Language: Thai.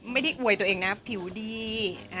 ไม่ได้อวยตัวเองนะผิวดี